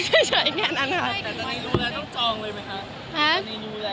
รู้แล้วว่าความหมายกับการถือหวังอะไรแล้วต้องจองเลยไหมครับ